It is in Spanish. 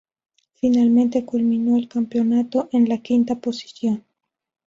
Finalmente culminó el campeonato en la quinta posición.